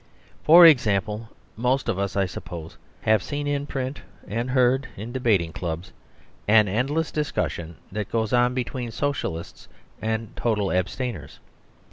For example, most of us, I suppose, have seen in print and heard in debating clubs an endless discussion that goes on between Socialists and total abstainers.